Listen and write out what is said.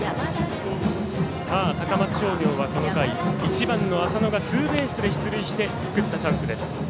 高松商業はこの回、１番の浅野がツーベースで出塁して作ったチャンスです。